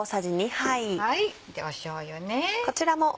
しょうゆね。